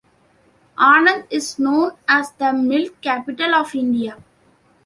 Anand is known as the Milk Capital of India.